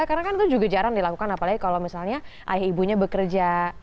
karena kan itu juga jarang dilakukan apalagi kalau misalnya ayah ibunya bekerja